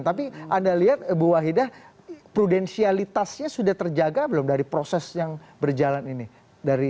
tapi anda lihat bu wahidah prudensialitasnya sudah terjaga belum dari proses yang berjalan ini